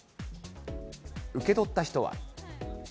受け取った人は。